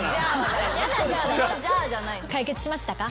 解決しましたか？